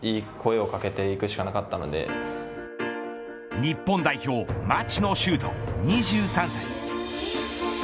日本代表、町野修斗２３歳。